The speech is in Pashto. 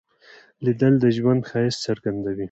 لیدل د ژوند ښایست څرګندوي